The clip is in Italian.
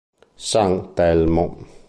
San Telmo